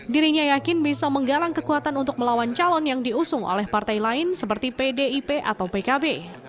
dirinya yakin bisa menggalang kekuatan untuk melawan calon yang diusung oleh partai lain seperti pdip atau pkb